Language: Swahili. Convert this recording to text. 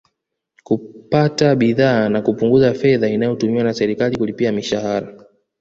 Kupata bidhaa na kupunguza fedha inayotumiwa na serikali kulipia mishahara